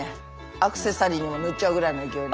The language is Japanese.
アクセサリーも塗っちゃうぐらいの勢いね。